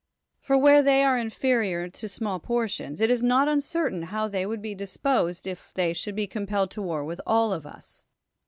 For where they are inferior to small portions, it is not un certain how tliey would be disi)Osed, if they should be compelled {o war witli all of us.